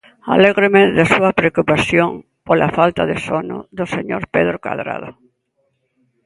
Alégrome da súa preocupación pola falta de sono do señor Pedro Cadrado.